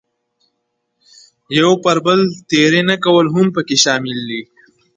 یو پر بل تېری نه کول هم پکې شامل دي.